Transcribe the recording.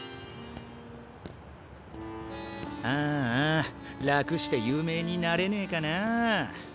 ああ楽して有名になれねえかなあ。